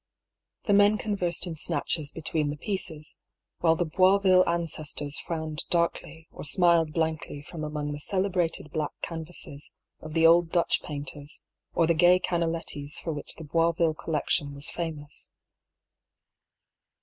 The men conversed in snatches between the pieces, while the Boisville ances tors frowned darkly or smiled blankly from among the "'TWIXTTHE CUP AND THE LIP." 217 celebrated black canvases of the old Dutch painters or the gay Canalettis for which the Boisyille collection wa^ famous.